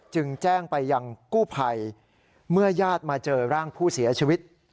จึงแจ้งไปยังกู้ภัยเมื่อญาติมาเจอร่างผู้เสียชีวิต